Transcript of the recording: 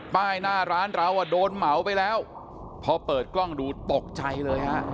หน้าร้านเราอ่ะโดนเหมาไปแล้วพอเปิดกล้องดูตกใจเลยฮะ